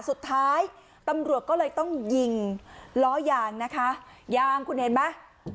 สุดท้ายตำรวจก็เลยต้องยิงล้อยางนะคะยางคุณเห็นไหม